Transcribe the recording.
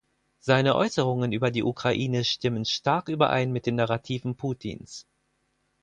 Seine Äußerungen über die Ukraine stimmen stark überein mit den Narrativen Putins.